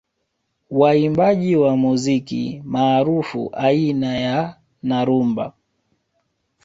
Waimbaji wa muziki maarufu aina ya na rumba